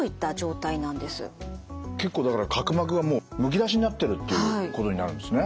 結構だから角膜がむき出しになってるっていうことになるんですね。